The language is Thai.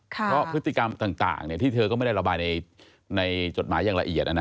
เพราะพฤติกรรมต่างที่เธอก็ไม่ได้ระบายในจดหมายอย่างละเอียด